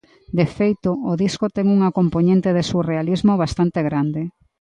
De feito, o disco ten unha compoñente de surrealismo bastante grande.